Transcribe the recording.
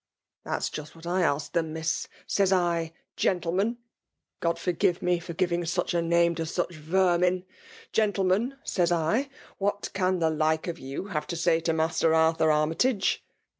"That's just what I asked them, Miss. Says I, * Gentlemen,' (God forgive me for .giving such a name to such vermin !)' Gentle men,' says I, ' What can the like of you have to say to Master Arthur Army tage